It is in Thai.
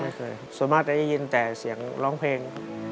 ไม่เคยส่วนมากจะได้ยินแต่เสียงร้องเพลง